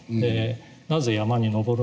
「なぜ山に登るのですか？」